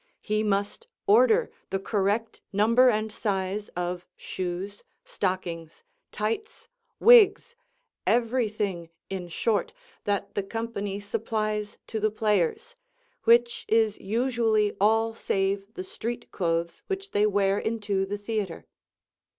He must order the correct number and size of shoes, stockings, tights, wigs everything, in short, that the company supplies to the players, which is usually all save the street clothes which they wear into the theatre.